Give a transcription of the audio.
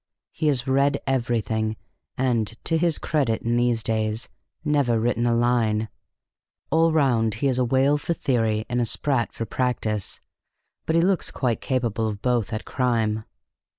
He has read everything and (to his credit in these days) never written a line. All round he is a whale for theory and a sprat for practice but he looks quite capable of both at crime!"